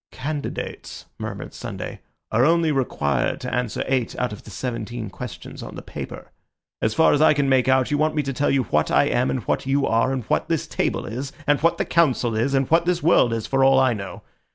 "Candidates," murmured Sunday, "are only required to answer eight out of the seventeen questions on the paper. As far as I can make out, you want me to tell you what I am, and what you are, and what this table is, and what this Council is, and what this world is for all I know.